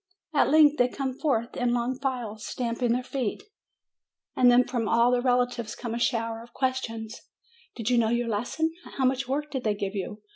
At length they come forth, in long files, stamping their feet. And then from all the relatives comes a shower of questions : ''Did you know your lesson? How much work did they give you?